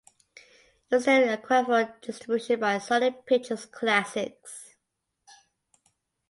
It was then acquired for distribution by Sony Pictures Classics.